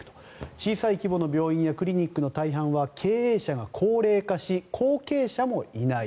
小さい規模の病院やクリニックの大半は経営者が高齢化し後継者もいない。